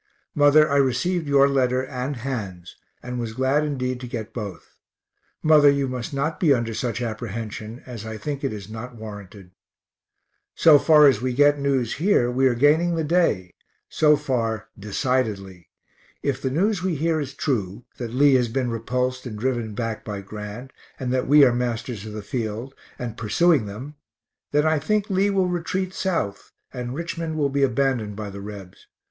Mother, I received your letter and Han's and was glad indeed to get both. Mother, you must not be under such apprehension, as I think it is not warranted. So far as we get news here, we are gaining the day, so far decidedly. If the news we hear is true that Lee has been repulsed and driven back by Grant, and that we are masters of the field, and pursuing them then I think Lee will retreat south, and Richmond will be abandoned by the Rebs.